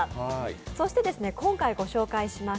そして今回ご紹介します